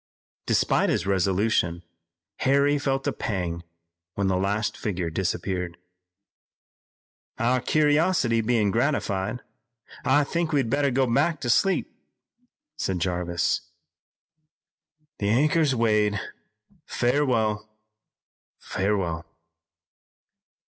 Despite his resolution Harry felt a pang when the last figure disappeared. "Our curiosity bein' gratified, I think we'd better go back to sleep," said Jarvis. "The anchor's weighed, farewell, farewell!"